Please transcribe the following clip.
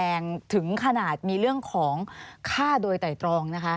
มีความรู้สึกว่ามีความรู้สึกว่ามีความรู้สึกว่า